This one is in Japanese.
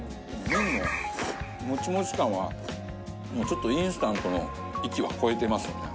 麺のモチモチ感はもうちょっとインスタントの域は超えてますよね。